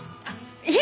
いえ！